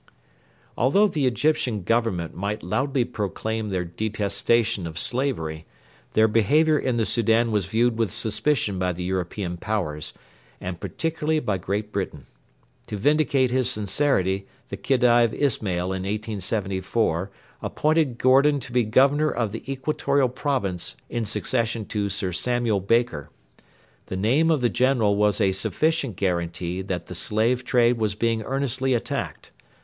Although the Egyptian Government might loudly proclaim their detestation of slavery, their behaviour in the Soudan was viewed with suspicion by the European Powers, and particularly by Great Britain. To vindicate his sincerity the Khedive Ismail in 1874 appointed Gordon to be Governor of the Equatorial Province in succession to Sir Samuel Baker. The name of the General was a sufficient guarantee that the slave trade was being earnestly attacked.